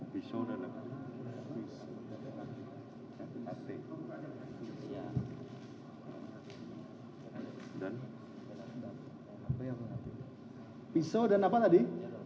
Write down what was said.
pisau dan apa tadi